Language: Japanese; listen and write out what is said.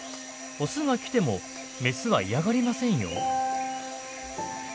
オスが来てもメスは嫌がりませんよ。